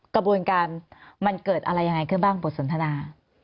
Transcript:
กระบวนการมันเกิดอะไรยังไงขึ้นบ้างบทสนทนา